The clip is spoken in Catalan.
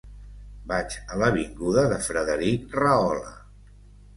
Vaig a l'avinguda de Frederic Rahola.